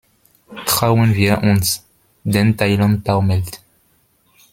Trauen wir uns, denn Thailand taumelt!